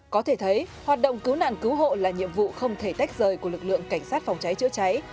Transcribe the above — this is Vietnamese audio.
có thể thấy hoạt động cứu nạn cứu hộ là nhiệm vụ không thể tách rời của lực lượng cảnh sát phòng cháy chữa cháy